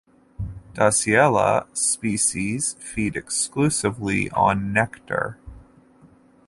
"Dasyhelea" species feed exclusively on nectar.